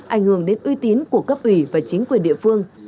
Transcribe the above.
ảnh hưởng đến uy tín của cấp ủy và chính quyền địa phương